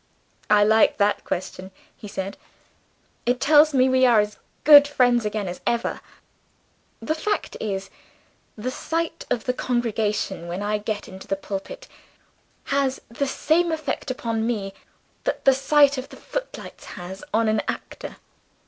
"I like that question," he said; "it tells me we are as good friends again as ever. The fact is, the sight of the congregation, when I get into the pulpit, has the same effect upon me that the sight of the footlights has on an actor.